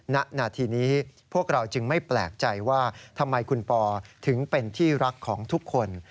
ณนาทีนี้พวกเราจึงไม่แปลกใจว่าทำไมคุณปอถึงเป็นที่รักของทุกคน